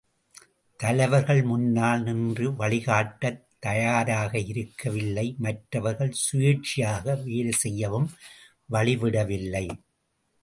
தலைவர்கள் முன்னால் நின்று வழிகாட்டத் தயாராயிருக்கவில்லை மற்றவர்கள் சுயேச்சையாக வேலைசெய்யவும், வழி விடவில்லை.